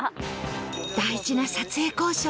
大事な撮影交渉